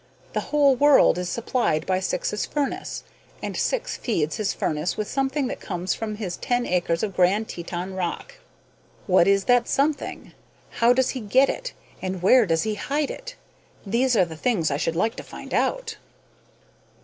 The whole world is supplied by Syx's furnace, and Syx feeds his furnace with something that comes from his ten acres of Grand Teton rock. What is that something? How does he get it, and where does he hide it? These are the things I should like to find out."